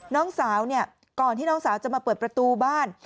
น้องสาวเนี่ยก่อนที่น้องสาวจะมาเปิดประตูบ้าน